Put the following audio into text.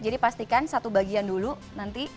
jadi pastikan satu bagian dulu nanti